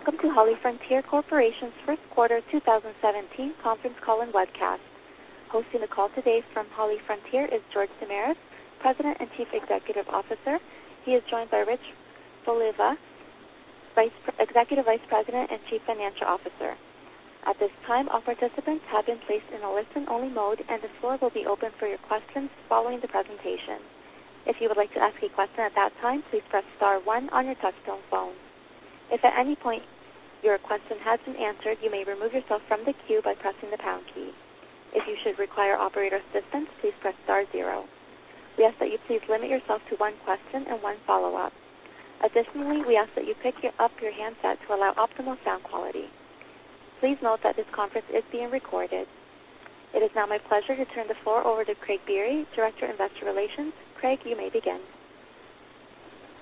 Welcome to HollyFrontier Corporation's second quarter 2017 conference call and webcast. Hosting the call today from HollyFrontier is George Damiris, President and Chief Executive Officer. He is joined by Richard Voliva, Executive Vice President and Chief Financial Officer. At this time, all participants have been placed in a listen-only mode, and the floor will be open for your questions following the presentation. If you would like to ask a question at that time, please press star one on your touchtone phone. If at any point your question has been answered, you may remove yourself from the queue by pressing the pound key. If you should require operator assistance, please press star zero. We ask that you please limit yourself to one question and one follow-up. Additionally, we ask that you pick up your handset to allow optimal sound quality. Please note that this conference is being recorded. It is now my pleasure to turn the floor over to Craig Biery, Director of Investor Relations. Craig, you may begin.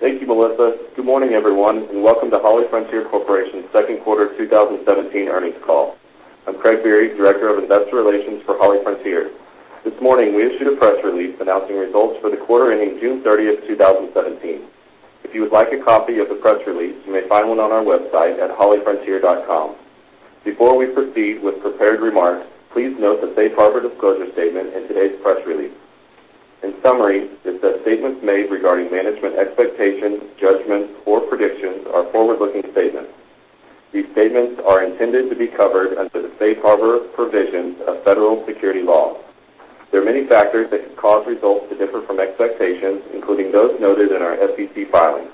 Thank you, Melissa. Good morning, everyone, and welcome to HollyFrontier Corporation's second quarter 2017 earnings call. I'm Craig Biery, Director of Investor Relations for HollyFrontier. This morning, we issued a press release announcing results for the quarter ending June 30th, 2017. If you would like a copy of the press release, you may find one on our website at hollyfrontier.com. Before we proceed with prepared remarks, please note the safe harbor disclosure statement in today's press release. In summary, it says statements made regarding management expectations, judgments or predictions are forward-looking statements. These statements are intended to be covered under the safe harbor provisions of federal security laws. There are many factors that could cause results to differ from expectations, including those noted in our SEC filings.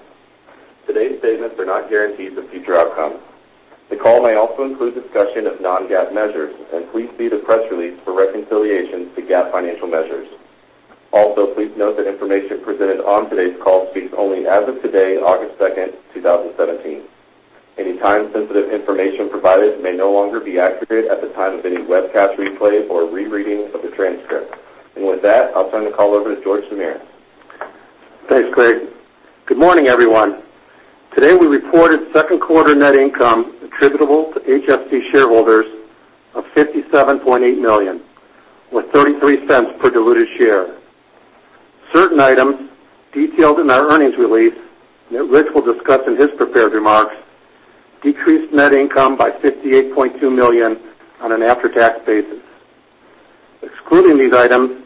Today's statements are not guarantees of future outcomes. The call may also include discussion of non-GAAP measures, and please see the press release for reconciliation to GAAP financial measures. Also, please note that information presented on today's call speaks only as of today, August second, 2017. Any time-sensitive information provided may no longer be accurate at the time of any webcast replay or rereading of the transcript. With that, I'll turn the call over to George Damiris. Thanks, Craig. Good morning, everyone. Today, we reported second quarter net income attributable to HFC shareholders of $57.8 million, or $0.33 per diluted share. Certain items detailed in our earnings release that Rich will discuss in his prepared remarks decreased net income by $58.2 million on an after-tax basis. Excluding these items,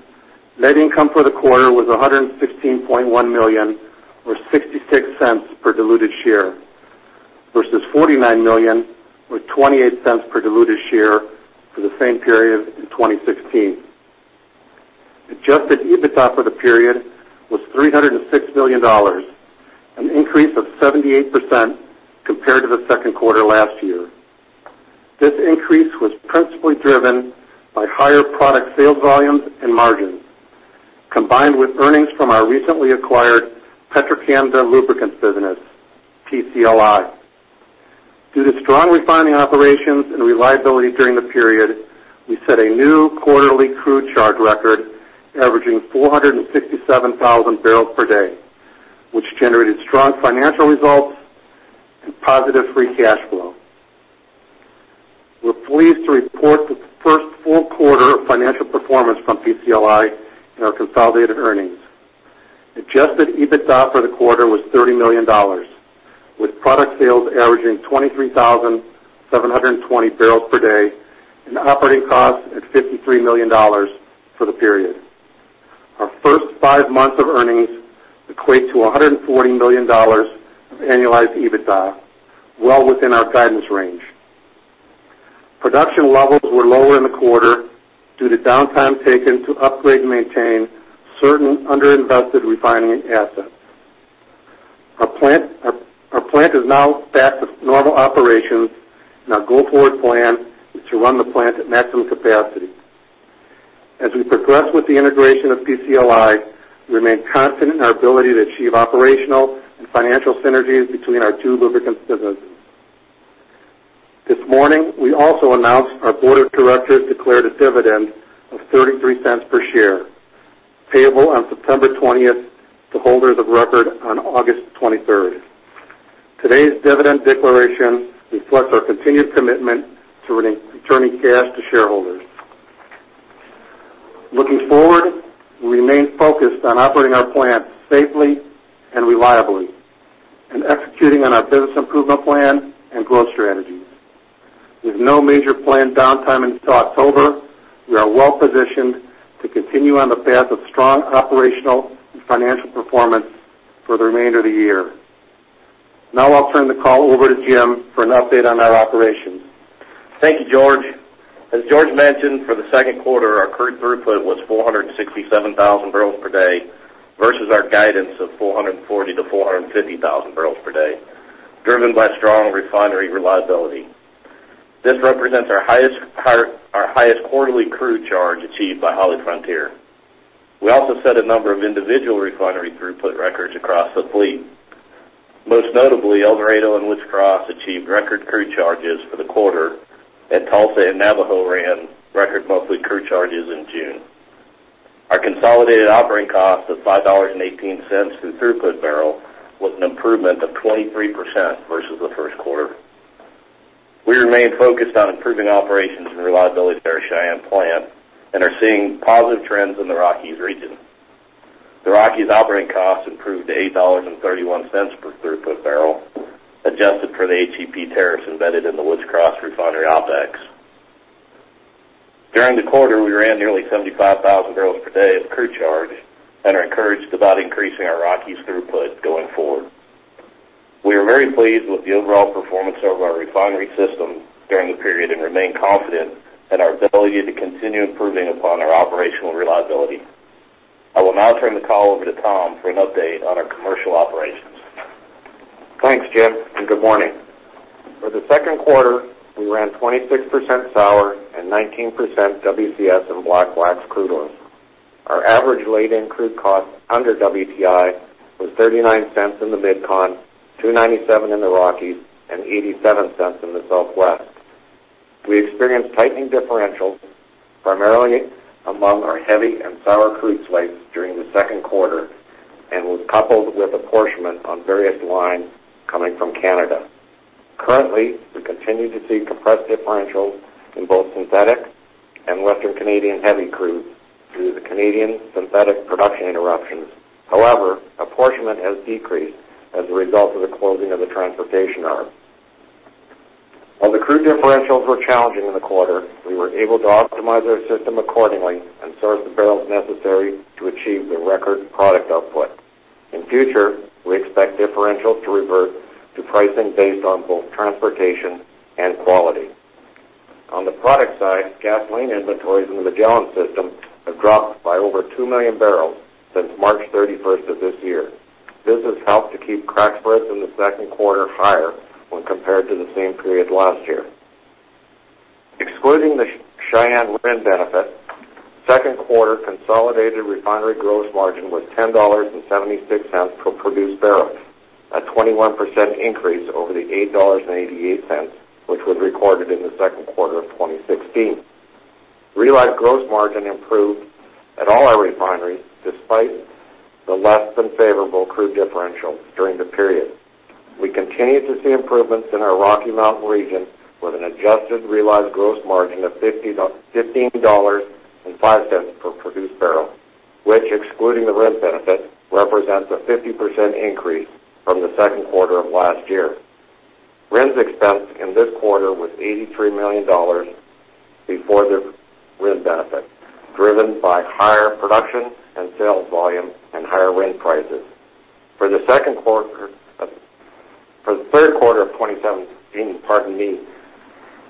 net income for the quarter was $116.1 million, or $0.66 per diluted share, versus $49 million, or $0.28 per diluted share for the same period in 2016. Adjusted EBITDA for the period was $306 million, an increase of 78% compared to the second quarter last year. This increase was principally driven by higher product sales volumes and margins, combined with earnings from our recently acquired Petro-Canada Lubricants business, PCLI. Due to strong refining operations and reliability during the period, we set a new quarterly crude charge record, averaging 467,000 barrels per day, which generated strong financial results and positive free cash flow. We're pleased to report the first full quarter of financial performance from PCLI in our consolidated earnings. Adjusted EBITDA for the quarter was $30 million, with product sales averaging 23,720 barrels per day and operating costs at $53 million for the period. Our first five months of earnings equate to $140 million of annualized EBITDA, well within our guidance range. Production levels were lower in the quarter due to downtime taken to upgrade and maintain certain under-invested refining assets. Our plant is now back to normal operations, and our go-forward plan is to run the plant at maximum capacity. As we progress with the integration of PCLI, we remain confident in our ability to achieve operational and financial synergies between our two lubricants businesses. This morning, we also announced our board of directors declared a dividend of $0.33 per share, payable on September 20th to holders of record on August 23rd. Today's dividend declaration reflects our continued commitment to returning cash to shareholders. Looking forward, we remain focused on operating our plants safely and reliably and executing on our business improvement plan and growth strategies. With no major planned downtime until October, we are well positioned to continue on the path of strong operational and financial performance for the remainder of the year. Now I'll turn the call over to Jim for an update on our operations. Thank you, George. As George mentioned, for the second quarter, our crude throughput was 467,000 barrels per day versus our guidance of 440,000-450,000 barrels per day, driven by strong refinery reliability. This represents our highest quarterly crude charge achieved by HollyFrontier. We also set a number of individual refinery throughput records across the fleet. Most notably, El Dorado and Woods Cross achieved record crude charges for the quarter, and Tulsa and Navajo ran record monthly crude charges in June. Our consolidated operating cost of $5.18 per throughput barrel was an improvement of 23% versus the first quarter. We remain focused on improving operations and reliability at our Cheyenne plant and are seeing positive trends in the Rockies region. The Rockies operating costs improved to $8.31 per throughput barrel, adjusted for the HEP tariffs embedded in the Woods Cross refinery OPEX. During the quarter, we ran nearly 75,000 barrels per day of crude charge and are encouraged about increasing our Rockies throughput going forward. We are very pleased with the overall performance of our refinery system during the period and remain confident in our ability to continue improving upon our operational reliability. I will now turn the call over to Tom for an update on our commercial operations. Thanks, Jim, and good morning. For the second quarter, we ran 26% sour and 19% WCS and black wax crude oils. Our average laid-in crude cost under WTI was $0.39 in the MidCon, $2.97 in the Rockies, and $0.87 in the Southwest. We experienced tightening differentials primarily among our heavy and sour crude slates during the second quarter and was coupled with apportionment on various lines coming from Canada. Currently, we continue to see compressed differentials in both synthetic and Western Canadian heavy crudes due to the Canadian synthetic production interruptions. Apportionment has decreased as a result of the closing of the transportation arm. The crude differentials were challenging in the quarter, we were able to optimize our system accordingly and source the barrels necessary to achieve the record product output. In future, we expect differentials to revert to pricing based on both transportation and quality. On the product side, gasoline inventories in the Magellan system have dropped by over 2 million barrels since March 31st of this year. This has helped to keep crack spreads in the second quarter higher when compared to the same period last year. Excluding the Cheyenne RIN benefit, second quarter consolidated refinery gross margin was $10.76 per produced barrel, a 21% increase over the $8.88, which was recorded in the second quarter of 2016. Realized gross margin improved at all our refineries, despite the less than favorable crude differentials during the period. We continue to see improvements in our Rocky Mountain region with an adjusted realized gross margin of $15.05 per produced barrel, which excluding the RIN benefit, represents a 50% increase from the second quarter of last year. RINs expense in this quarter was $83 million before the RIN benefit, driven by higher production and sales volume and higher RIN prices. For the third quarter of 2017, pardon me,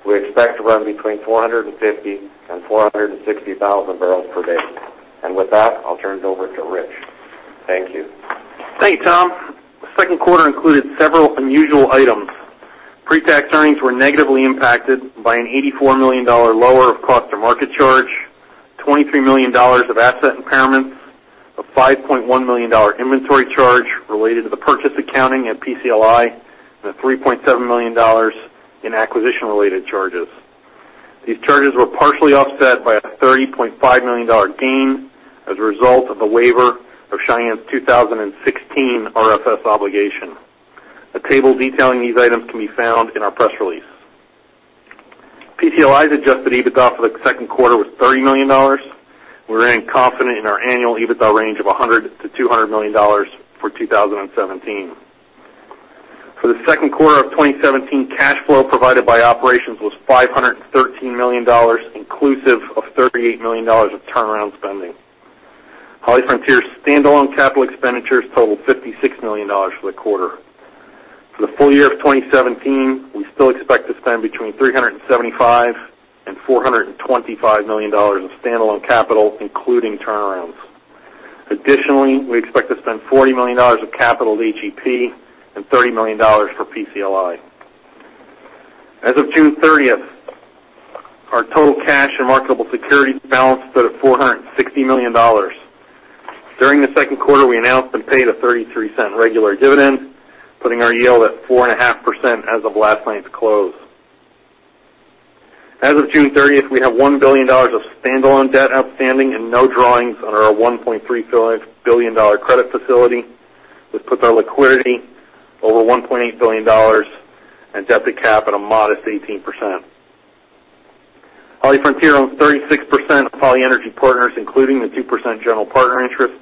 we expect to run between 450,000 and 460,000 barrels per day. With that, I'll turn it over to Rich. Thank you. Thanks, Tom. The second quarter included several unusual items. Pre-tax earnings were negatively impacted by an $84 million lower of cost or market charge, $23 million of asset impairments, a $5.1 million inventory charge related to the purchase accounting at PCLI, and $3.7 million in acquisition related charges. These charges were partially offset by a $30.5 million gain as a result of the waiver of Cheyenne's 2016 RFS obligation. A table detailing these items can be found in our press release. PCLI's adjusted EBITDA for the second quarter was $30 million. We remain confident in our annual EBITDA range of $100 million-$200 million for 2017. For the second quarter of 2017, cash flow provided by operations was $513 million inclusive of $38 million of turnaround spending. HollyFrontier's standalone capital expenditures totaled $56 million for the quarter. For the full year of 2017, we still expect to spend between $375 million and $425 million in standalone capital, including turnarounds. Additionally, we expect to spend $40 million of capital at HEP and $30 million for PCLI. As of June 30th, our total cash and marketable securities balance stood at $460 million. During the second quarter, we announced and paid a $0.33 regular dividend, putting our yield at 4.5% as of last night's close. As of June 30th, we have $1 billion of standalone debt outstanding and no drawings under our $1.3 billion credit facility, which puts our liquidity over $1.8 billion and debt to cap at a modest 18%. HollyFrontier owns 36% of Holly Energy Partners, including the 2% general partner interest.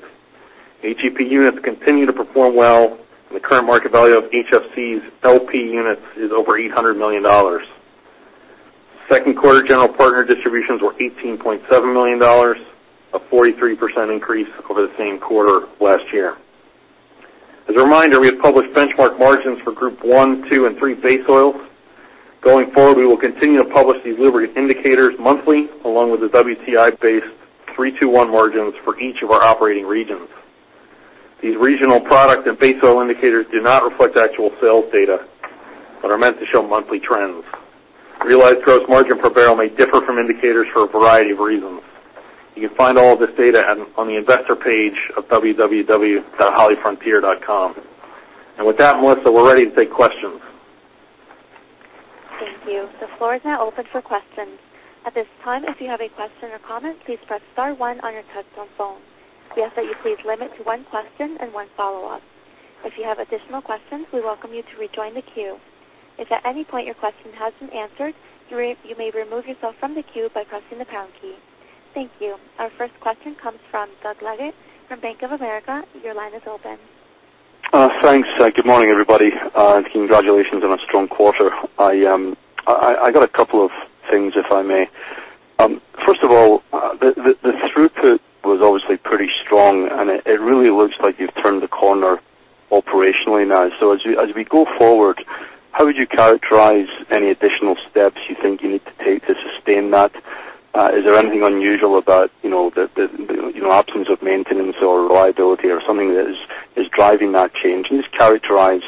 HEP units continue to perform well, and the current market value of HFC's LP units is over $800 million. Second quarter general partner distributions were $18.7 million, a 43% increase over the same quarter last year. As a reminder, we have published benchmark margins for group one, two, and three base oils. Going forward, we will continue to publish these delivery indicators monthly, along with the WTI-based 3-2-1 margins for each of our operating regions. These regional product and base oil indicators do not reflect actual sales data but are meant to show monthly trends. Realized gross margin per barrel may differ from indicators for a variety of reasons. You can find all this data on the investor page of www.hollyfrontier.com. With that, Melissa, we're ready to take questions. Thank you. The floor is now open for questions. At this time, if you have a question or comment, please press *1 on your touchtone phone. We ask that you please limit to one question and one follow-up. If you have additional questions, we welcome you to rejoin the queue. If at any point your question has been answered, you may remove yourself from the queue by pressing the pound key. Thank you. Our first question comes from Doug Leggate from Bank of America. Your line is open. Thanks. Good morning, everybody, and congratulations on a strong quarter. I got a couple of things, if I may. First of all, the throughput was obviously pretty strong, and it really looks like you've turned the corner operationally now. As we go forward, how would you characterize any additional steps you think you need to take to sustain that? Is there anything unusual about the absence of maintenance or reliability or something that is driving that change? Can you just characterize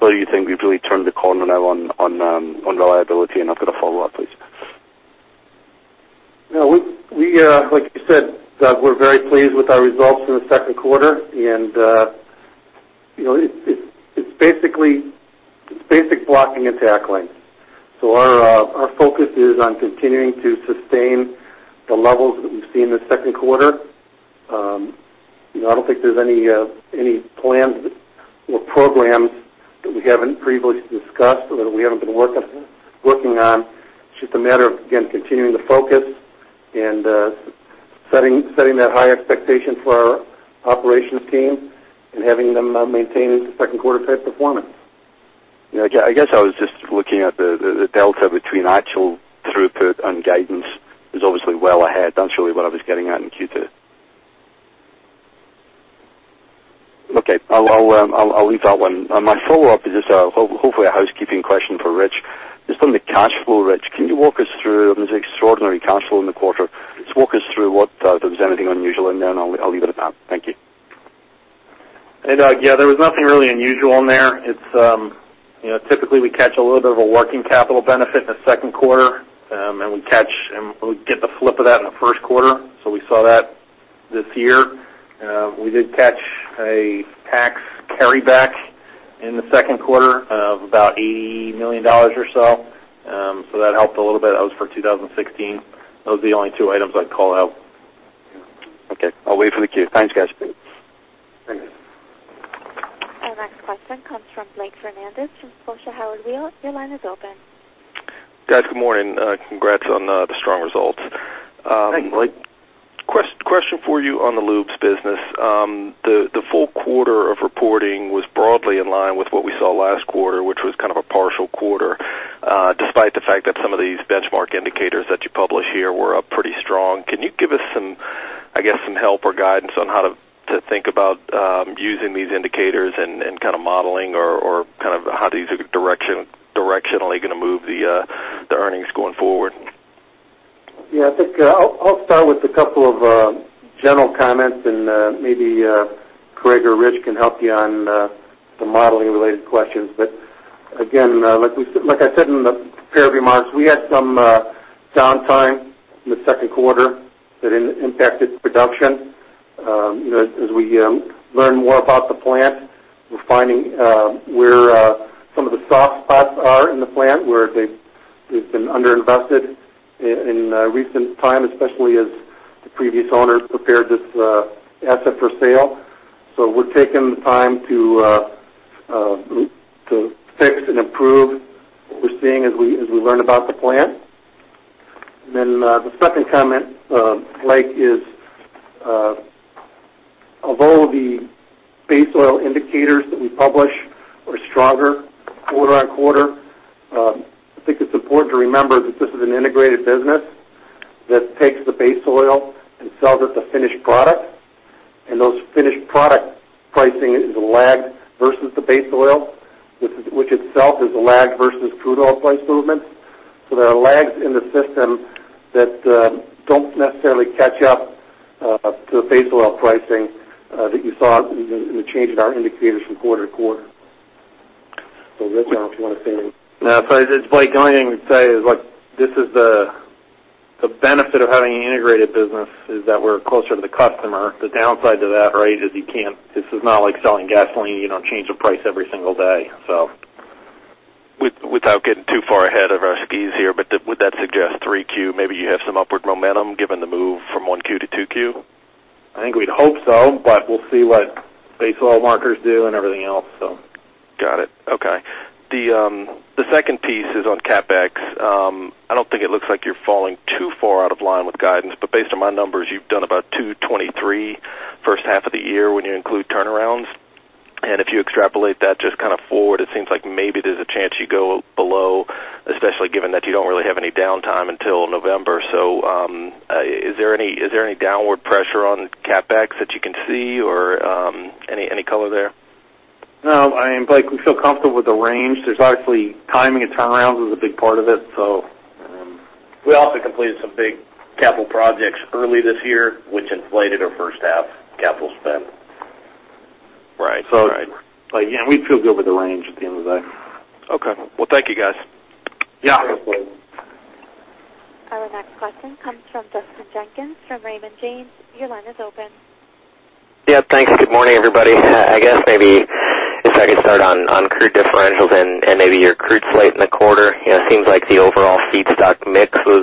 whether you think we've really turned the corner now on reliability? I've got a follow-up, please. Like you said, Doug, we're very pleased with our results in the second quarter. It's basic blocking and tackling. Our focus is on continuing to sustain the levels that we've seen this second quarter. I don't think there's any plans or programs that we haven't previously discussed or that we haven't been working on. It's just a matter of, again, continuing to focus and setting that high expectation for our operations team and having them maintain this second quarter type performance. I guess I was just looking at the delta between actual throughput and guidance is obviously well ahead. That's really what I was getting at in Q2. Okay, I'll leave that one. My follow-up is just hopefully a housekeeping question for Rich. Just on the cash flow, Rich, can you walk us through, there's extraordinary cash flow in the quarter. Just walk us through if there's anything unusual in there, and then I'll leave it at that. Thank you. Hey, Doug. Yeah, there was nothing really unusual in there. Typically, we catch a little bit of a working capital benefit in the second quarter, and we get the flip of that in the first quarter. We saw that this year. We did catch a tax carryback in the second quarter of about $80 million or so. That helped a little bit. That was for 2016. Those are the only two items I'd call out. Okay. I'll wait for the queue. Thanks, guys. Thanks. Our next question comes from Blake Fernandez from Scotia Howard Weil. Your line is open. Guys, good morning. Congrats on the strong results. Thanks, Blake. Question for you on the lubes business. The full quarter of reporting was broadly in line with what we saw last quarter, which was kind of a partial quarter, despite the fact that some of these benchmark indicators that you publish here were up pretty strong. Can you give us some help or guidance on how to think about using these indicators and modeling or how these are directionally going to move the earnings going forward? I think I'll start with a couple of general comments and maybe Craig or Rich can help you on the modeling-related questions. Again, like I said in the prepared remarks, we had some downtime in the second quarter that impacted production. As we learn more about the plant, we're finding where some of the soft spots are in the plant where they've been under-invested in recent time, especially as the previous owners prepared this asset for sale. We're taking the time to fix and improve what we're seeing as we learn about the plant. The second comment, Blake, is although the base oil indicators that we publish are stronger quarter on quarter, I think it's important to remember that this is an integrated business that takes the base oil and sells it to finished product. Those finished product pricing is a lag versus the base oil, which itself is a lag versus crude oil price movement. There are lags in the system that don't necessarily catch up to the base oil pricing that you saw in the change in our indicators from quarter to quarter. Rich, I don't know if you want to say anything. No. Blake, the only thing I would say is the benefit of having an integrated business is that we're closer to the customer. The downside to that is this is not like selling gasoline. You don't change the price every single day. Without getting too far ahead of our skis here, would that suggest 3Q maybe you have some upward momentum given the move from 1Q to 2Q? I think we'd hope so, we'll see what base oil markers do and everything else. Got it. Okay. The second piece is on CapEx. I don't think it looks like you're falling too far out of line with guidance, based on my numbers, you've done about $223 first half of the year when you include turnarounds. If you extrapolate that just forward, it seems like maybe there's a chance you go below, especially given that you don't really have any downtime until November. Is there any downward pressure on CapEx that you can see or any color there? No. Blake, we feel comfortable with the range. There's obviously timing of turnarounds is a big part of it. We also completed some big capital projects early this year, which inflated our first half capital spend. Right. Again, we feel good with the range at the end of the day. Okay. Well, thank you, guys. Yeah. Our next question comes from Justin Jenkins from Raymond James. Your line is open. Yeah, thanks. Good morning, everybody. I guess maybe if I could start on crude differentials and maybe your crude slate in the quarter. It seems like the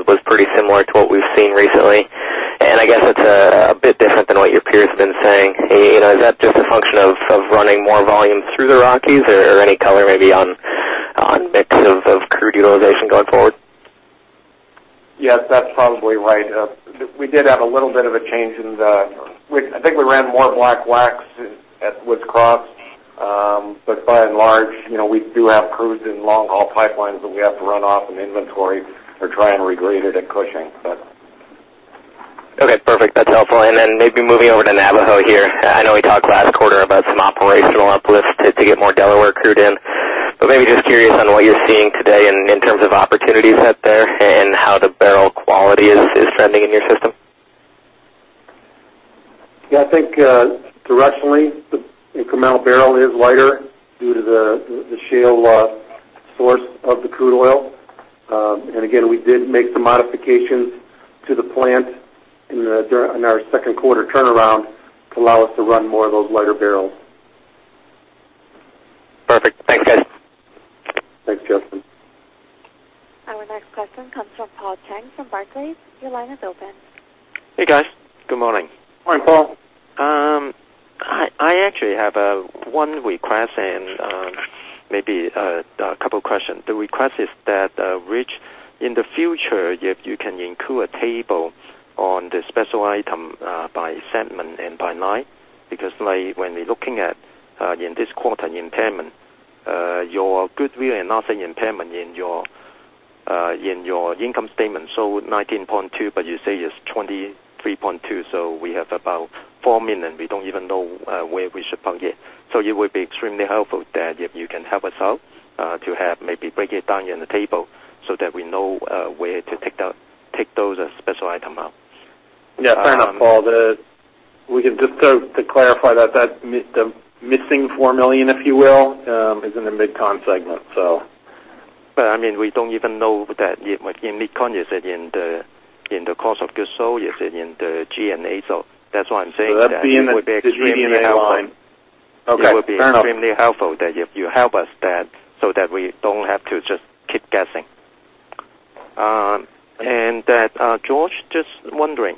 was pretty similar to what we've seen recently. I guess it's a bit different than what your peers have been saying. Is that just a function of running more volume through the Rockies or any color maybe on mix of crude utilization going forward? Yes, that's probably right. We did have a little bit of a change. I think we ran more black wax at Woods Cross. By and large, we do have crudes in long-haul pipelines that we have to run off in inventory or try and regrade it at Cushing. Okay, perfect. That's helpful. Then maybe moving over to Navajo here. I know we talked last quarter about some operational uplift to get more Delaware crude in, but maybe just curious on what you're seeing today in terms of opportunities out there and how the barrel quality is trending in your system. Yeah, I think directionally, the incremental barrel is lighter due to the shale source of the crude oil. Again, we did make some modifications to the plant in our second quarter turnaround to allow us to run more of those lighter barrels. Perfect. Thanks, guys. Thanks, Justin. Our next question comes from Paul Cheng from Barclays. Your line is open. Hey, guys. Good morning. Morning, Paul. I actually have one request and maybe a couple of questions. The request is that, Rich, in the future, if you can include a table on the special item by segment and by line. When we're looking at this quarter's impairment, your goodwill and asset impairment in your income statement show $19.2, but you say it's $23.2, we have about $4 million. We don't even know where we should put it. It would be extremely helpful that if you can help us out to maybe break it down in the table so that we know where to take those special item out. Yeah, fair enough, Paul. Just to clarify that the missing $4 million, if you will, is in the MidCon segment. We don't even know that. In MidCon, is it in the cost of goods sold? Is it in the G&A? That's why I'm saying that. That's in the G&A line. It would be extremely helpful that if you help us so that we don't have to just keep guessing. George, just wondering,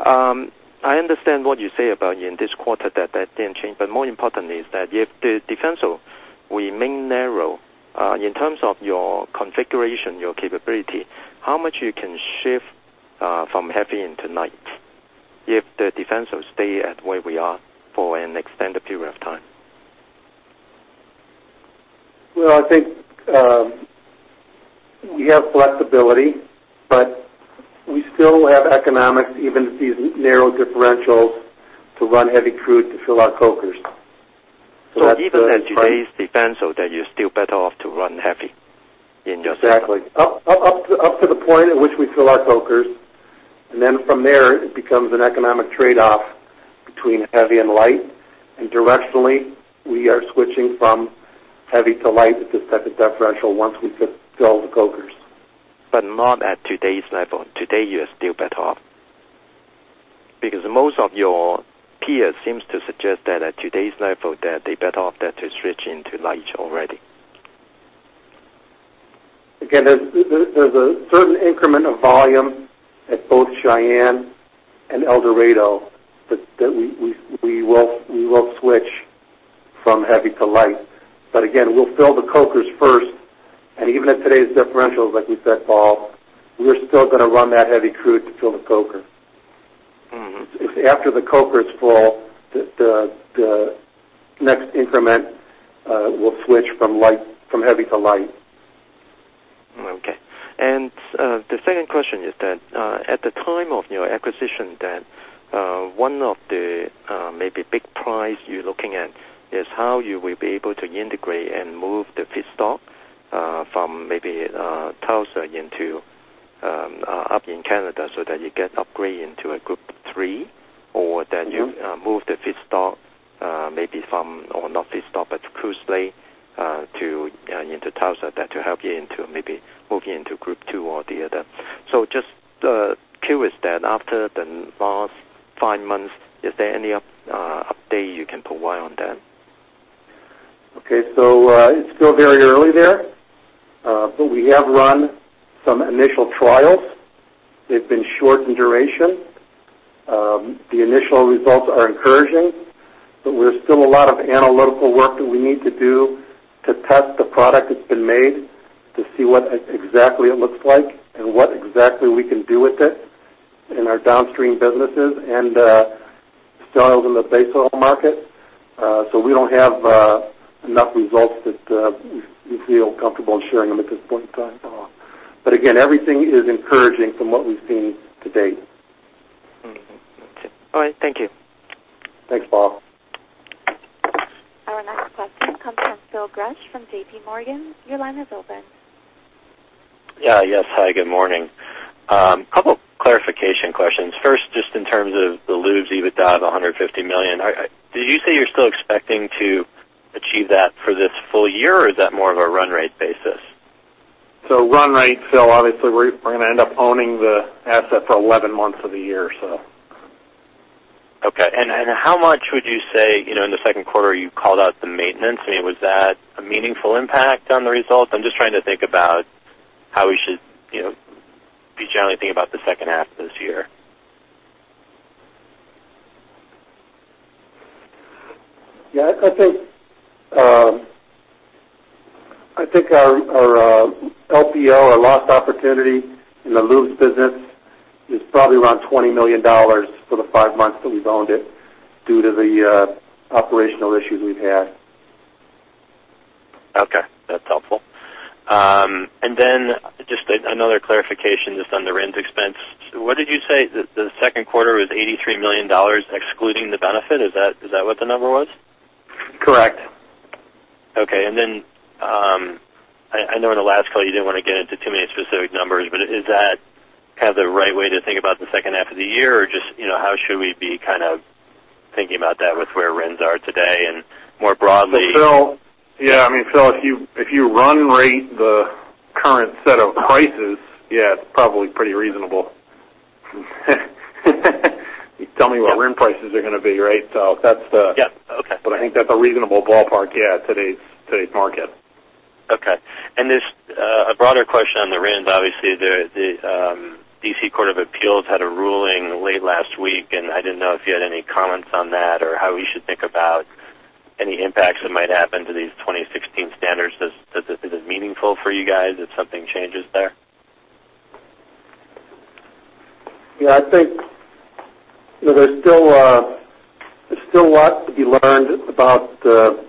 I understand what you say about in this quarter that that didn't change. More importantly is that if the differential remain narrow, in terms of your configuration, your capability, how much you can shift from heavy into light if the differential stay at where we are for an extended period of time? Well, I think we have flexibility, but we still have economics, even at these narrow differentials, to run heavy crude to fill our cokers. Even at today's differential, that you're still better off to run heavy in your system? Exactly. Up to the point at which we fill our cokers, then from there, it becomes an economic trade-off between heavy and light. Directionally, we are switching from heavy to light at this type of differential once we fill the cokers. Not at today's level. Today, you are still better off. Most of your peers seems to suggest that at today's level, that they're better off to switch into light already. Again, there's a certain increment of volume at both Cheyenne and El Dorado that we will switch from heavy to light. Again, we'll fill the cokers first, even at today's differentials, like we said, Paul, we're still going to run that heavy crude to fill the coker. It's after the coker is full, the next increment will switch from heavy to light. Okay. The second question is that at the time of your acquisition, that one of the maybe big prize you're looking at is how you will be able to integrate and move the feedstock from maybe Tulsa up in Canada so that you get upgrade into a Group III, or that you move the feedstock maybe from, or not feedstock, but the crude slate into Tulsa to help you into maybe moving into a Group II or the other. Just curious then, after the last five months, is there any update you can provide on that? Okay. It's still very early there. We have run some initial trials. They've been short in duration. The initial results are encouraging, but there's still a lot of analytical work that we need to do to test the product that's been made to see what exactly it looks like and what exactly we can do with it in our downstream businesses and sales in the base oil market. We don't have enough results that we feel comfortable sharing them at this point in time. Again, everything is encouraging from what we've seen to date. Okay. All right. Thank you. Thanks, Paul. Our next question comes from Phil Gresh from J.P. Morgan. Your line is open. Yes. Hi, good morning. A couple clarification questions. First, just in terms of the lubes EBITDA of $150 million, did you say you're still expecting to achieve that for this full year, or is that more of a run rate basis? Run rate, Phil. Obviously, we're going to end up owning the asset for 11 months of the year. Okay. How much would you say in the second quarter you called out the maintenance? Was that a meaningful impact on the results? I'm just trying to think about how we should be generally thinking about the second half of this year. I think our LPO, our lost opportunity in the lubes business, is probably around $20 million for the five months that we've owned it due to the operational issues we've had. Okay, that's helpful. Just another clarification just on the RINs expense. What did you say? The second quarter was $83 million excluding the benefit. Is that what the number was? Correct. Okay. I know in the last call you didn't want to get into too many specific numbers, but is that the right way to think about the second half of the year? Or just how should we be thinking about that with where RINs are today and more broadly? Yeah. Phil, if you run rate the current set of prices, yeah, it's probably pretty reasonable. You tell me what RIN prices are going to be, right, Phil? Yeah. Okay. I think that's a reasonable ballpark, yeah, today's market. Okay. A broader question on the RINs. Obviously, the D.C. Court of Appeals had a ruling late last week, and I didn't know if you had any comments on that or how we should think about any impacts that might happen to these 2016 standards. Is it meaningful for you guys if something changes there? Yeah, I think there's still lots to be learned about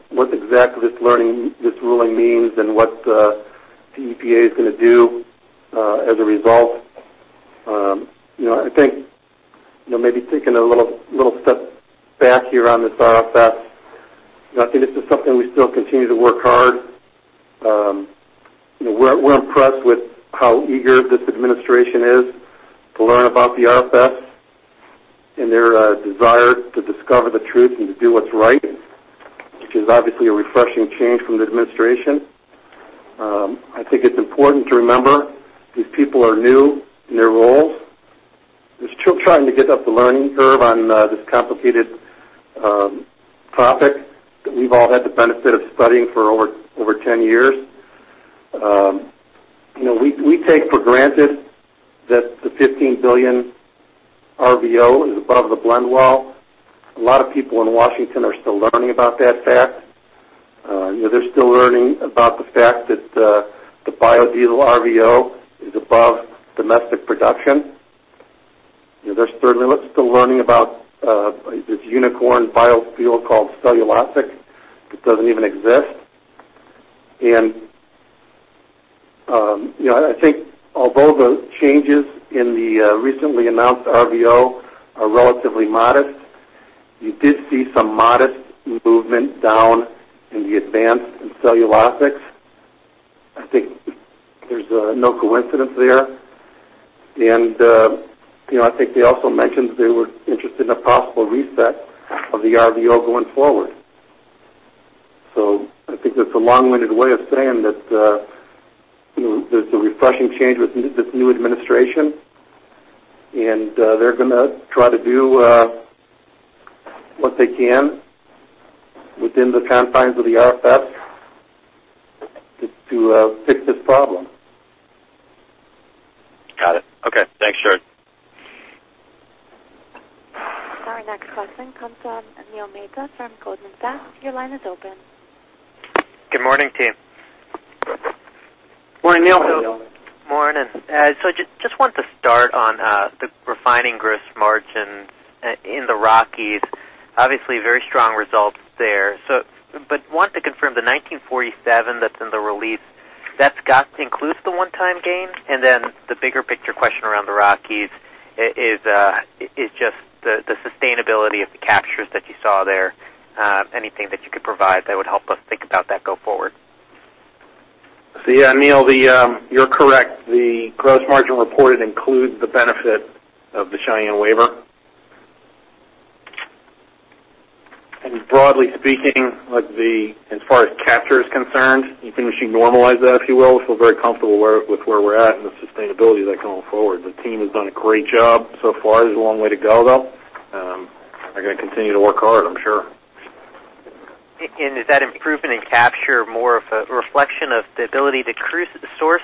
what exactly this ruling means and what the EPA is going to do as a result. I think maybe taking a little step back here on this RFS, I think this is something we still continue to work hard. We're impressed with how eager this administration is to learn about the RFS and their desire to discover the truth and to do what's right, which is obviously a refreshing change from the administration. I think it's important to remember these people are new in their roles. They're still trying to get up the learning curve on this complicated topic that we've all had the benefit of studying for over 10 years. We take for granted that the 15 billion RVO is above the blend wall. A lot of people in Washington are still learning about that fact. They're still learning about the fact that the biodiesel RVO is above domestic production. They're certainly still learning about this unicorn biofuel called cellulosic that doesn't even exist. I think although the changes in the recently announced RVO are relatively modest, you did see some modest movement down in the advanced and cellulosics. I think there's no coincidence there. I think they also mentioned they were interested in a possible reset of the RVO going forward. I think that's a long-winded way of saying that there's a refreshing change with this new administration, and they're going to try to do what they can within the confines of the RFS to fix this problem. Got it. Okay. Thanks, George. Our next question comes from Neil Mehta from Goldman Sachs. Your line is open. Good morning, team. Morning, Neil. Morning. I just want to start on the refining gross margin in the Rockies. Obviously, very strong results there. Want to confirm the $19.47 that's in the release, that's got to include the one-time gain? Then the bigger picture question around the Rockies is just the sustainability of the captures that you saw there. Anything that you could provide that would help us think about that go forward? Yeah, Neil, you're correct. The gross margin reported includes the benefit of the Cheyenne waiver. Broadly speaking, as far as capture is concerned, you think we should normalize that, if you will. We feel very comfortable with where we're at and the sustainability of that going forward. The team has done a great job so far. There's a long way to go, though. They're going to continue to work hard, I'm sure. Is that improvement in capture more of a reflection of the ability to source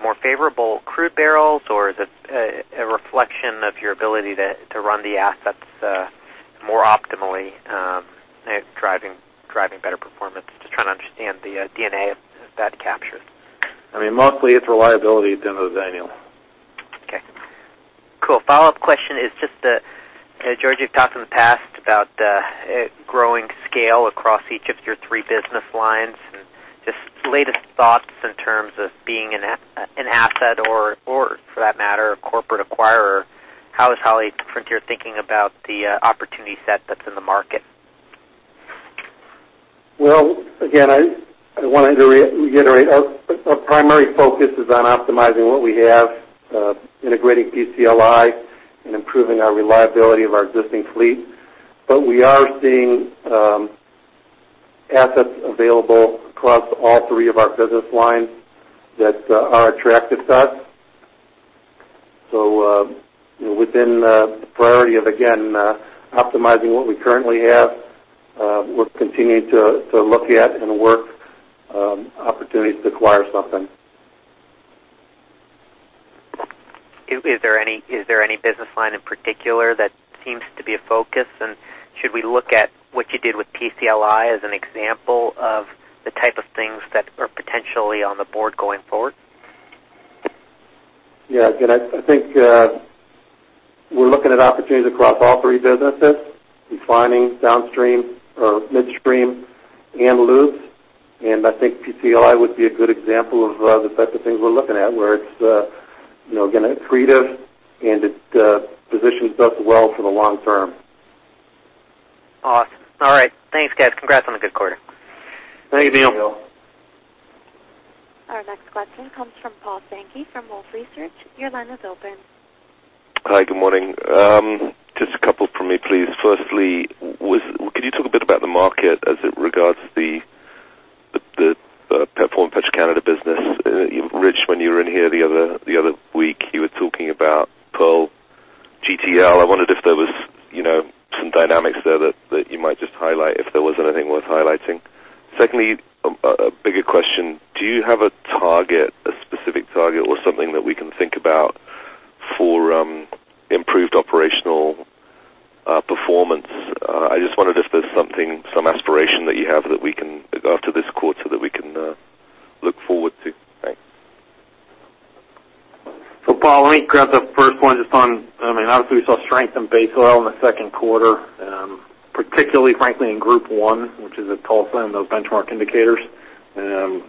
more favorable crude barrels, or is it a reflection of your ability to run the assets more optimally, driving better performance? Just trying to understand the DNA of that capture. Mostly it's reliability at the end of the day, Neil. Okay. Cool. Follow-up question is just, George, you've talked in the past about growing scale across each of your three business lines, and just latest thoughts in terms of being an asset or for that matter, a corporate acquirer. How is Holly different, your thinking about the opportunity set that's in the market? Again, I wanted to reiterate, our primary focus is on optimizing what we have, integrating PCLI, and improving our reliability of our existing fleet. We are seeing assets available across all three of our business lines that are attractive to us. Within the priority of, again, optimizing what we currently have, we're continuing to look at and work opportunities to acquire something. Is there any business line in particular that seems to be a focus? Should we look at what you did with PCLI as an example of the type of things that are potentially on the board going forward? Yeah. Again, I think we're looking at opportunities across all three businesses, refining downstream or midstream and lubes. I think PCLI would be a good example of the types of things we're looking at, where it's accretive and it positions us well for the long term. Awesome. All right. Thanks, guys. Congrats on a good quarter. Thank you, Neil. Our next question comes from Paul Sankey from Wolfe Research. Your line is open. Hi. Good morning. Just a couple from me, please. Firstly, can you talk a bit about the market as it regards the performance Petro-Canada business? Rich, when you were in here the other week, you were talking about Pearl GTL. I wondered if there was some dynamics there that you might just highlight if there was anything worth highlighting. Secondly, a bigger question. Do you have a specific target or something that we can think about for improved operational performance? I just wondered if there's some aspiration that you have after this quarter that we can look forward to. Thanks. Paul, let me grab the first one just on, obviously we saw strength in base oil in the second quarter. Particularly, frankly, in Group I, which is at Tulsa and those benchmark indicators. Pearl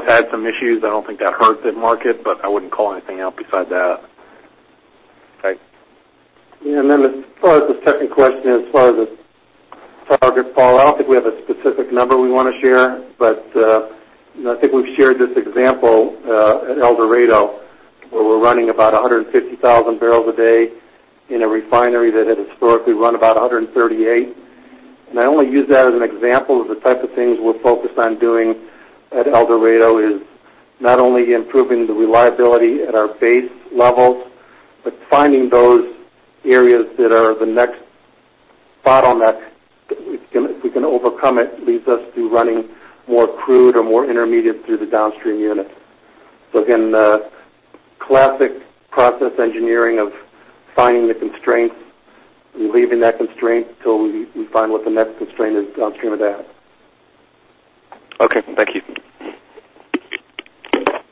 has had some issues. I don't think that hurt the market, but I wouldn't call anything out beside that. Okay. Yeah. Then as far as the second question, as far as the target, Paul, I don't think we have a specific number we want to share, I think we've shared this example, at El Dorado, where we're running about 150,000 barrels a day in a refinery that had historically run about 138. I only use that as an example of the type of things we're focused on doing at El Dorado, is not only improving the reliability at our base levels, but finding those areas that are the next bottleneck. If we can overcome it, leads us to running more crude or more intermediate through the downstream units. Again, the classic process engineering of finding the constraints and relieving that constraint till we find what the next constraint is downstream of that. Okay. Thank you.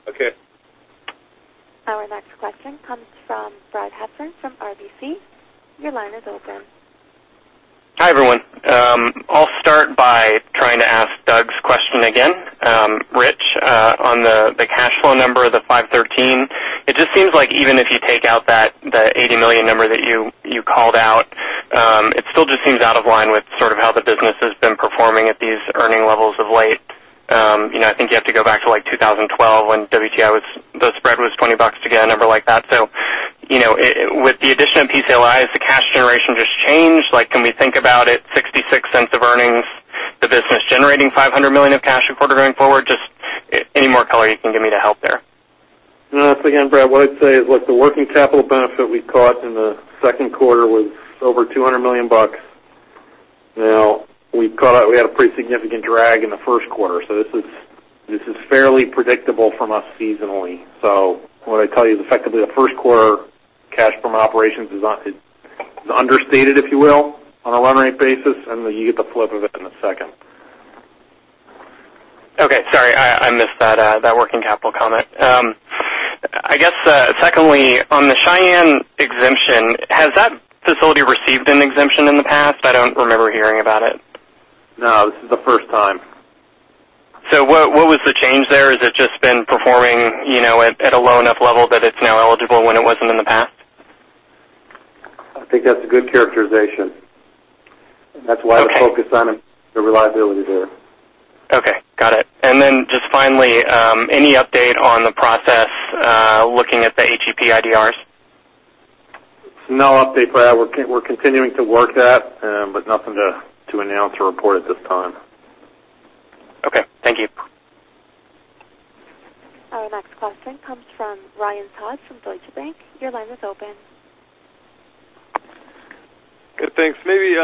Okay. Our next question comes from Brad Heffern from RBC. Your line is open. Hi, everyone. I'll start by trying to ask Doug's question again. Rich, on the cash flow number, the 513. It just seems like even if you take out that $80 million number that you called out, it still just seems out of line with how the business has been performing at these earning levels of late. I think you have to go back to 2012 when WTI was the spread was $20 to get a number like that. With the addition of PCLI, has the cash generation just changed? Can we think about it $0.66 of earnings, the business generating $500 million of cash a quarter going forward? Just any more color you can give me to help there? No, again, Brad, what I'd say is, look, the working capital benefit we caught in the second quarter was over $200 million. Now, we had a pretty significant drag in the first quarter. This is fairly predictable from us seasonally. What I'd tell you is effectively the first quarter cash from operations is understated, if you will, on a run-rate basis, and then you get the flip of it in the second. Okay. Sorry, I missed that working capital comment. I guess, secondly, on the Cheyenne exemption, has that facility received an exemption in the past? I don't remember hearing about it. No. This is the first time. What was the change there? Has it just been performing at a low enough level that it's now eligible when it wasn't in the past? I think that's a good characterization, and that's why we're focused on the reliability there. Okay. Got it. Just finally, any update on the process, looking at the HEP IDRs? No update, Brad. We're continuing to work that, but nothing to announce or report at this time. Okay. Thank you. Our next question comes from Ryan Todd from Deutsche Bank. Your line is open. Good. Thanks. Maybe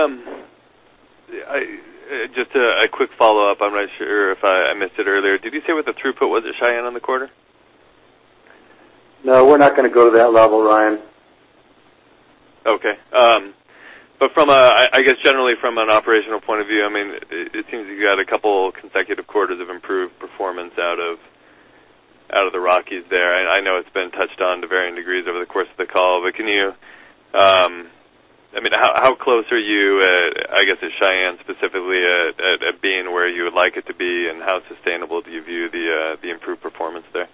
just a quick follow-up. I'm not sure if I missed it earlier. Did you say what the throughput was at Cheyenne on the quarter? No, we're not going to go to that level, Ryan. Okay. I guess generally from an operational point of view, it seems you got a couple consecutive quarters of improved performance out of the Rockies there. I know it's been touched on to varying degrees over the course of the call. How close are you at, I guess, at Cheyenne specifically, at being where you would like it to be? How sustainable do you view the improved performance there?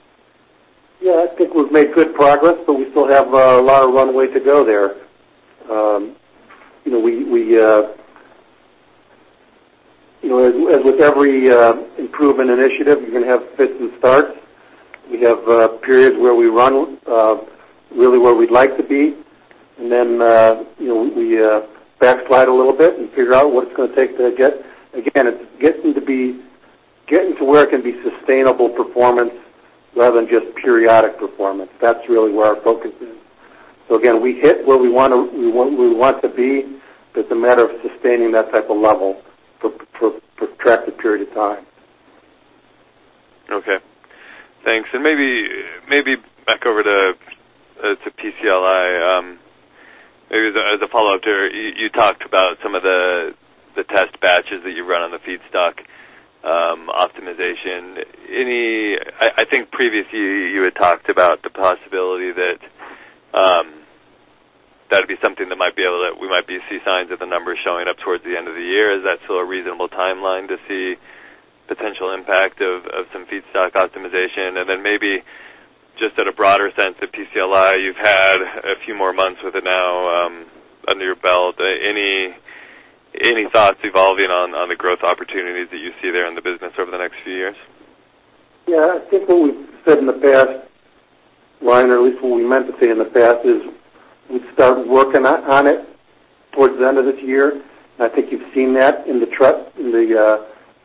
Yeah, I think we've made good progress, but we still have a lot of runway to go there. As with every improvement initiative, you're going to have fits and starts. We have periods where we run really where we'd like to be, and then we backslide a little bit and figure out what it's going to take to get. Again, it's getting to where it can be sustainable performance rather than just periodic performance. That's really where our focus is. Again, we hit where we want to be, but it's a matter of sustaining that type of level for a protracted period of time. Okay, thanks. Maybe back over to PCLI. Maybe as a follow-up to you talked about some of the test batches that you run on the feedstock optimization. I think previously you had talked about the possibility that would be something that we might be see signs of the numbers showing up towards the end of the year. Is that still a reasonable timeline to see potential impact of some feedstock optimization? Then maybe just at a broader sense of PCLI, you've had a few more months with it now under your belt. Any thoughts evolving on the growth opportunities that you see there in the business over the next few years? Yeah, I think what we've said in the past, Ryan, or at least what we meant to say in the past, is we'd start working on it towards the end of this year. I think you've seen that in the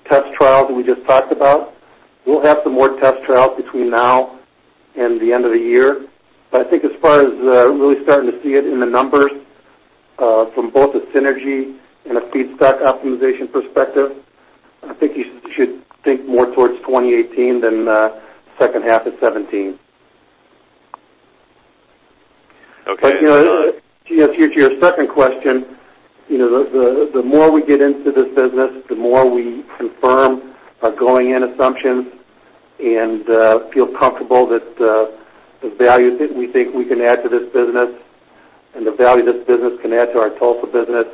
test trials that we just talked about. We'll have some more test trials between now and the end of the year. I think as far as really starting to see it in the numbers from both a synergy and a feedstock optimization perspective, I think you should think more towards 2018 than the second half of 2017. Okay. To your second question, the more we get into this business, the more we confirm our going-in assumptions and feel comfortable that the value that we think we can add to this business and the value this business can add to our Tulsa business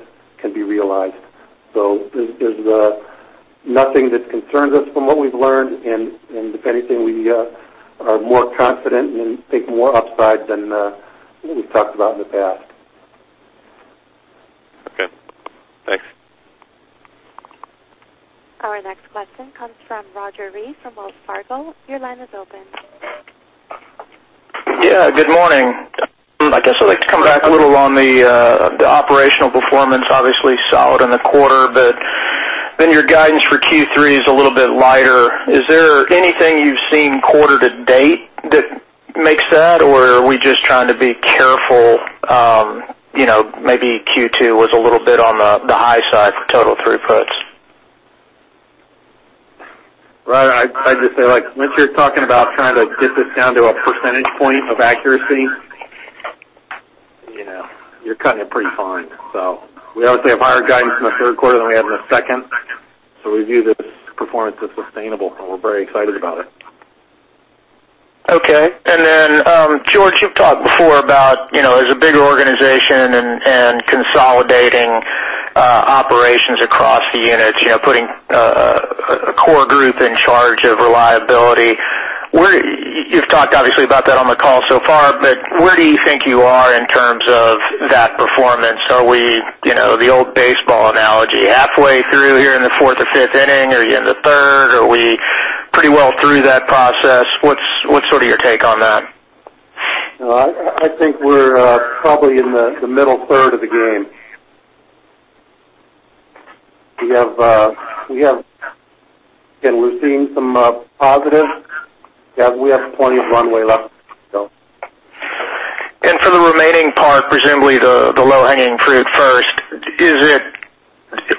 can be realized. There's nothing that concerns us from what we've learned. If anything, we are more confident and think more upside than what we've talked about in the past. Okay, thanks. Our next question comes from Roger Read from Wells Fargo. Your line is open. Yeah, good morning. I guess I'd like to come back a little on the operational performance, obviously solid in the quarter. Your guidance for Q3 is a little bit lighter. Is there anything you've seen quarter to date that makes that, are we just trying to be careful? Maybe Q2 was a little bit on the high side for total throughputs. Roger, I'd just say, once you're talking about trying to get this down to a percentage point of accuracy, you're cutting it pretty fine. We obviously have higher guidance in the third quarter than we had in the second. We view this performance as sustainable, and we're very excited about it. Okay. George, you've talked before about, as a bigger organization and consolidating operations across the units, putting a core group in charge of reliability. You've talked obviously about that on the call so far. Where do you think you are in terms of that performance? Are we, the old baseball analogy, halfway through here in the fourth or fifth inning? Are you in the third? Are we pretty well through that process? What's sort of your take on that? I think we're probably in the middle third of the game. We're seeing some positives. We have plenty of runway left. For the remaining part, presumably the low-hanging fruit first,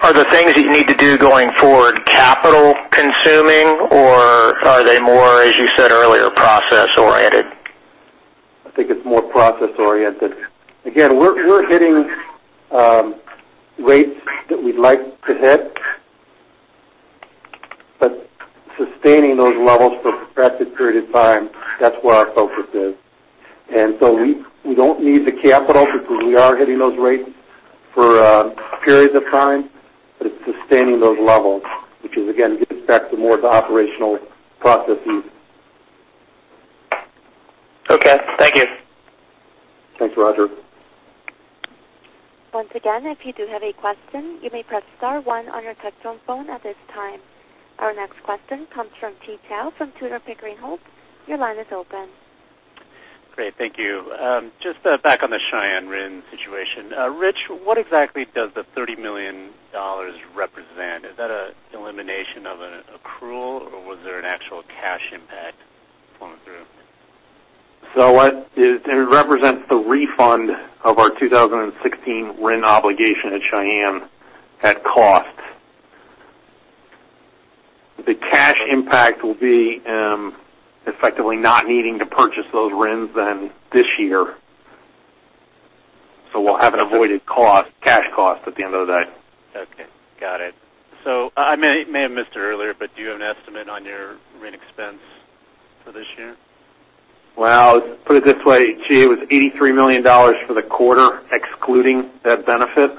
are the things that you need to do going forward capital consuming, or are they more, as you said earlier, process-oriented? I think it's more process-oriented. Again, we're hitting rates that we'd like to hit, but sustaining those levels for a protracted period of time, that's where our focus is. We don't need the capital because we are hitting those rates for periods of time. It's sustaining those levels, which is again, gets back to more of the operational processes. Okay, thank you. Thanks, Roger. Once again, if you do have a question, you may press star one on your touch-tone phone at this time. Our next question comes from Chi Chow from Tudor, Pickering, Holt & Co. Your line is open. Great. Thank you. Just back on the Cheyenne RIN situation. Rich, what exactly does the $30 million represent? Is that an elimination of an accrual, or was there an actual cash impact flowing through? It represents the refund of our 2016 RIN obligation at Cheyenne at cost. The cash impact will be effectively not needing to purchase those RINs this year. We'll have an avoided cost, cash cost at the end of the day. Okay, got it. I may have missed it earlier, but do you have an estimate on your RIN expense for this year? Well, put it this way, Chi, it was $83 million for the quarter, excluding that benefit.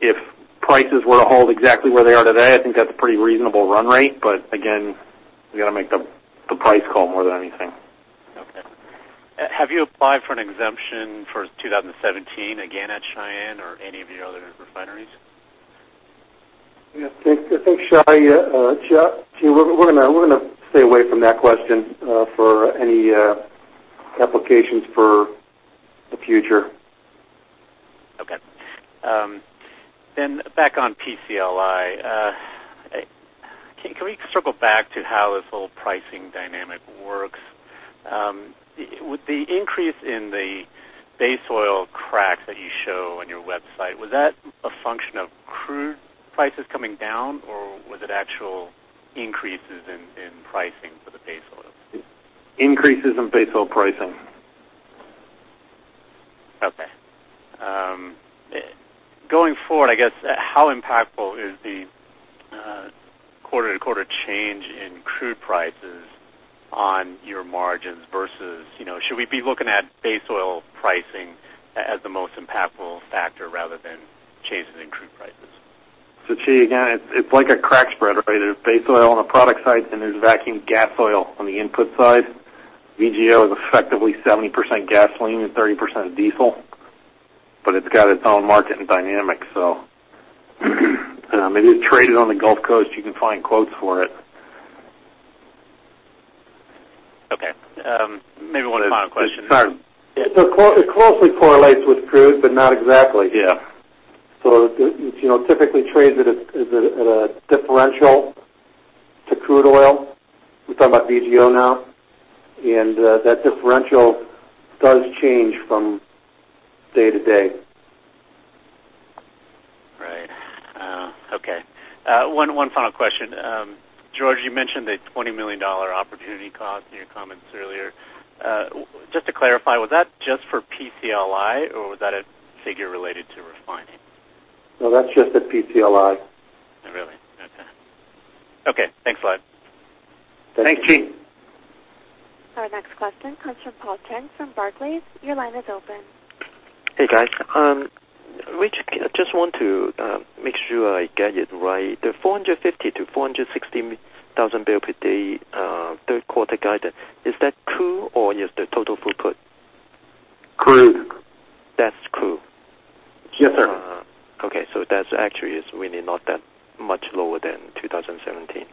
If prices were to hold exactly where they are today, I think that's a pretty reasonable run rate. Again, we've got to make the price call more than anything. Have you applied for an exemption for 2017 again at Cheyenne or any of your other refineries? Yeah. Thanks. I think, Chi, we're going to stay away from that question for any applications for the future. Okay. Back on PCLI. Can we circle back to how this whole pricing dynamic works? With the increase in the base oil crack that you show on your website, was that a function of crude prices coming down, or was it actual increases in pricing for the base oil? Increases in base oil pricing. Okay. Going forward, I guess, how impactful is the quarter-to-quarter change in crude prices on your margins versus should we be looking at base oil pricing as the most impactful factor rather than changes in crude prices? Chi, again, it's like a crack spread, right? There's base oil on the product side, and there's vacuum gas oil on the input side. VGO is effectively 70% gasoline and 30% diesel, but it's got its own market and dynamic. It is traded on the Gulf Coast. You can find quotes for it. Okay. Maybe one final question. Sorry. It closely correlates with crude, but not exactly. Yeah. It typically trades at a differential to crude oil. We're talking about VGO now. That differential does change from day to day. Right. Okay. One final question. George, you mentioned a $20 million opportunity cost in your comments earlier. Just to clarify, was that just for PCLI or was that a figure related to refining? No, that's just at PCLI. Really? Okay. Okay, thanks a lot. Thanks, Chi. Our next question comes from Paul Cheng from Barclays. Your line is open. Hey, guys. Rich, I just want to make sure I get it right. The 450 to 460,000 barrel per day third quarter guidance, is that crude or is the total throughput? Crude. That's crude. Yes, sir. Okay. That's actually is really not that much lower than 2017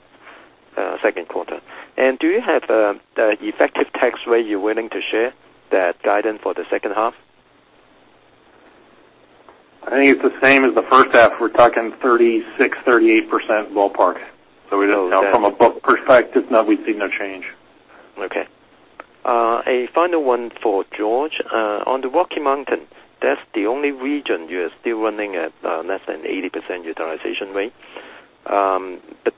second quarter. Do you have the effective tax rate you're willing to share, that guidance for the second half? I think it's the same as the first half. We're talking 36%-38% ballpark. From a book perspective, no, we see no change. Okay. A final one for George. On the Rocky Mountain, that's the only region you are still running at less than 80% utilization rate.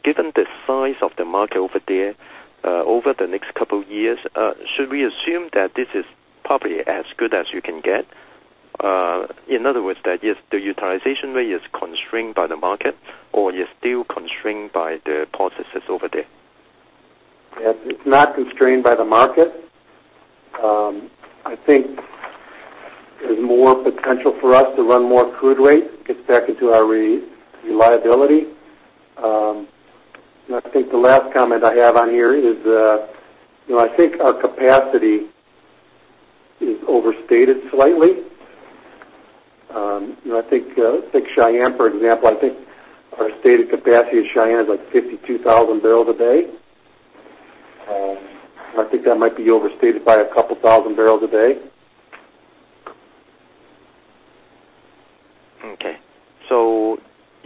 Given the size of the market over there, over the next couple of years, should we assume that this is probably as good as you can get? In other words, that the utilization rate is constrained by the market, or you're still constrained by the processes over there? It's not constrained by the market. I think there's more potential for us to run more crude slate. Gets back into our reliability. I think the last comment I have on here is, I think our capacity is overstated slightly. Take Cheyenne, for example. I think our stated capacity at Cheyenne is, like, 52,000 barrels a day. I think that might be overstated by a couple thousand barrels a day. Okay.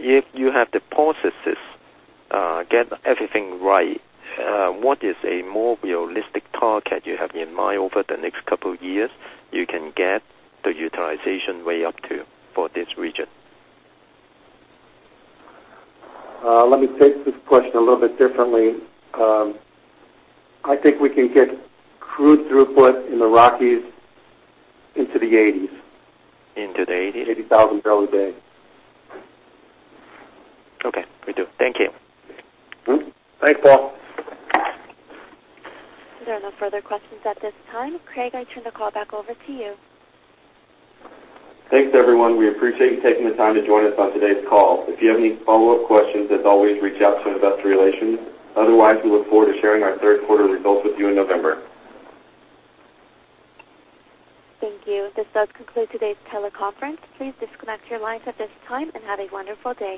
If you have the processes, get everything right, what is a more realistic target you have in mind over the next couple of years you can get the utilization way up to for this region? Let me take this question a little bit differently. I think we can get crude throughput in the Rockies into the 80s. Into the 80s? 80,000 barrels a day. Okay. Will do. Thank you. Thanks, Paul. There are no further questions at this time. Craig, I turn the call back over to you. Thanks, everyone. We appreciate you taking the time to join us on today's call. If you have any follow-up questions, as always, reach out to investor relations. Otherwise, we look forward to sharing our third quarter results with you in November. Thank you. This does conclude today's teleconference. Please disconnect your lines at this time and have a wonderful day.